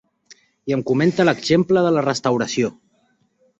I em comenta l’exemple de la restauració.